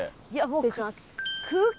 失礼します。